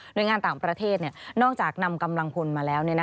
โดยงานต่างประเทศนอกจากนำกำลังพลมาแล้ว